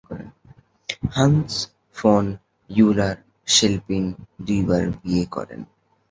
Hans von Euler Chelpin দুইবার বিয়ে করেন।